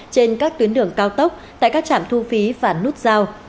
trên các tuyến đường cao tốc tại các trạm thu phí và nút giao